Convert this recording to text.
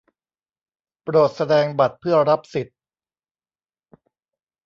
โปรดแสดงบัตรเพื่อรับสิทธิ์